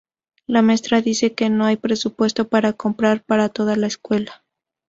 La maestra dice que no hay presupuesto para comprar para toda la escuela.